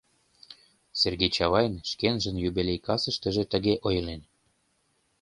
Сергей Чавайн шкенжын юбилей касыштыже тыге ойлен: